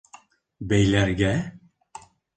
— Бәйләргә?